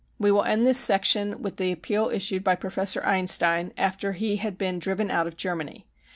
We will end this section with the appeal issued by Professor Einstein after he had been driven out of Germany.